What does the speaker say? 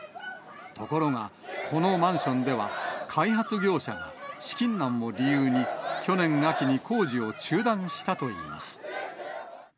ところが、このマンションでは開発業者が資金難を理由に、去年秋に工事を中断したといいます。